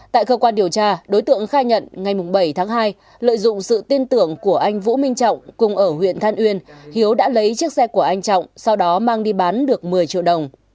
tại cơ quan điều tra đối tượng khai nhận ngày bảy tháng hai lợi dụng sự tin tưởng của anh vũ minh trọng cùng ở huyện than uyên hiếu đã lấy chiếc xe của anh trọng sau đó mang đi bán được một mươi triệu đồng